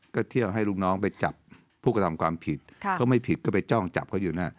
ก็เที่ยวให้ลูกน้องไปจับผู้กระทำความผิดเขาไม่ผิดก็ไปจ้องจับเขาอยู่นะ